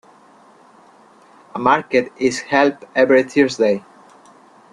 A market is held every Thursday.